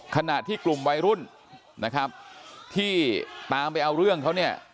ขณะที่กลุ่มวัยรุ่นนะครับที่ตามไปเอาเรื่องเขาเนี่ย